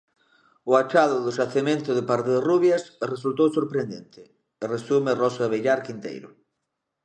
O achado do xacemento de Parderrubias "resultou sorprendente", resume Rosa Villar Quinteiro.